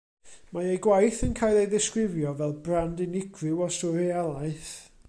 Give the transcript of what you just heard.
Mae ei gwaith yn cael ei ddisgrifio fel brand unigryw o swrealaeth.